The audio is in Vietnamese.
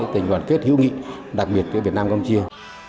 tình đoàn kết hữu nghị đặc biệt giữa việt nam campuchia